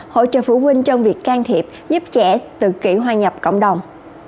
hỗ trợ phụ huynh trong việc can thiệp giúp trẻ tự kỷ hoa nhập cộng đồng